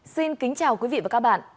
xin kính chào quý vị và các bạn